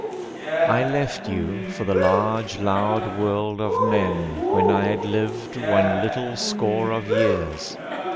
I left you for the large, loud world of men, When I had lived one little score of years.